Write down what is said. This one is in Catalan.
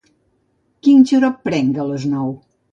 Quin xarop prenc a les nou?